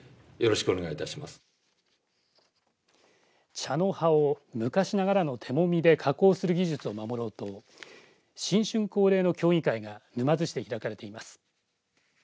茶の葉を昔ながらの手もみで加工する技術を守ろうと新春恒例の競技会が沼津市で開かれています。